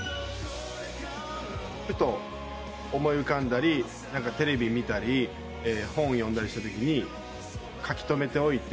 ふと思い浮かんだりテレビ見たり本を読んだりしたときに書き留めておいて。